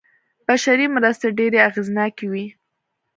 بشري مرستې ډېرې اغېزناکې وې.